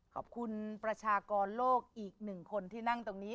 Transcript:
ขอบคุณประชากรโลกอีกหนึ่งคนที่นั่งตรงนี้